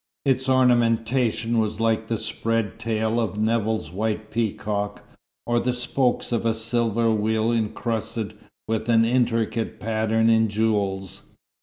Its ornamentation was like the spread tail of Nevill's white peacock, or the spokes of a silver wheel incrusted with an intricate pattern in jewels.